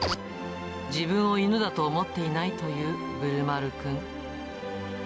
自分を犬だと思っていないというぶるまるくん。